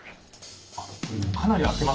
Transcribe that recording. かなり開きますね。